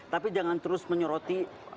tapi jangan terus menyoroti